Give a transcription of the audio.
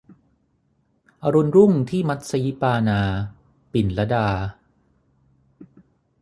อรุณรุ่งที่มัสยิปานา - ปิ่นลดา